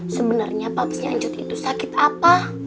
sebenernya papasnya ncut itu sakit apa